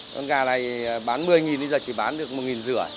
con gà này bán một mươi nghìn bây giờ chỉ bán được một nghìn rưỡi